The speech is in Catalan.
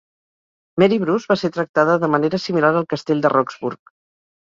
Mary Bruce va ser tractada de manera similar al castell de Roxburgh.